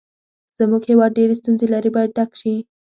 زموږ هېواد ډېرې ستونزې لري باید ډک شي.